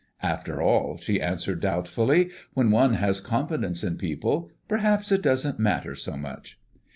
"After all," she answered doubtfully, "when one has confidence in people perhaps it doesn't matter so much."